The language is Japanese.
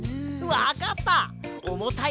わかった！